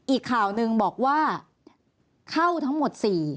อีกข่าวหนึ่งบอกว่าเข้าทั้งหมด๔